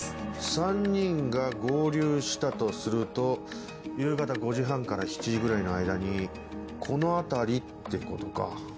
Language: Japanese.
３人が合流したとすると夕方５時半から７時ぐらいの間にこの辺りってことか。